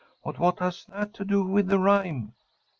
But what has that to do with the rhyme?"